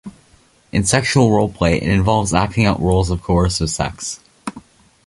In sexual roleplay, it involves acting out roles of coercive sex.